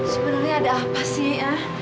sebenarnya ada apa sih ya